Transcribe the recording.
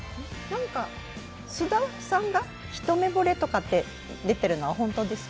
菅田さんが一目ぼれとかって出ているのは本当ですか？